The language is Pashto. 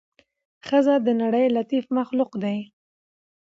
ښځه د نړۍ لطيف مخلوق دې